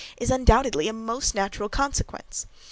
is undoubtedly a most natural consequence.